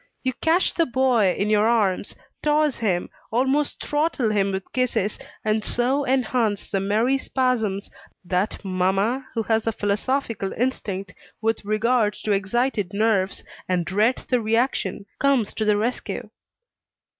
You catch the boy in your arms, toss him, almost throttle him with kisses, and so enhance the merry spasms, that mamma, who has a philosophical instinct with regard to excited nerves, and dreads the reaction, comes to the rescue.